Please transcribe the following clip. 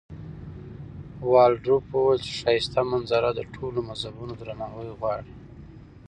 والډروف وویل چې ښایسته منظره د ټولو مذهبونو درناوی غواړي.